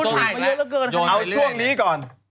คติว่ามาคุยอะไรก็คุย